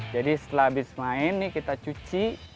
jadi setelah habis main ini kita cuci